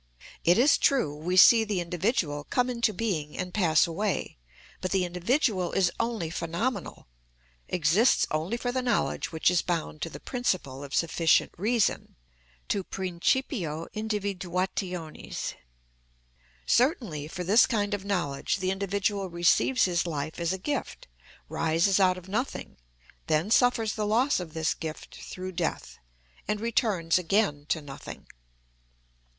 It is true we see the individual come into being and pass away; but the individual is only phenomenal, exists only for the knowledge which is bound to the principle of sufficient reason, to the principio individuationis. Certainly, for this kind of knowledge, the individual receives his life as a gift, rises out of nothing, then suffers the loss of this gift through death, and returns again to nothing.